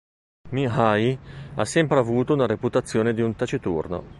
Mihai ha sempre avuto una reputazione di un taciturno.